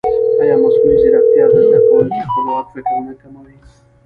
ایا مصنوعي ځیرکتیا د زده کوونکي خپلواک فکر نه کموي؟